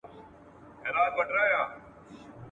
راځه ولاړ سه له نړۍ د انسانانو ..